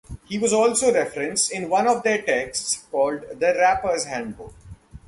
He was also referenced in one of their texts called "The Rappers Handbook".